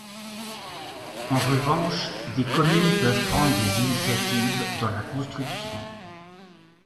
En revanche, des communes peuvent prendre des initiatives dans la construction.